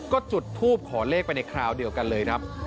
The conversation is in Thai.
ก็จุดทูปขอเลขไปในคราวเดียวกันเลยครับ